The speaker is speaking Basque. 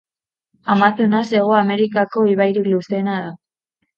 Amazonas Hego Amerikako ibairik luzeena da.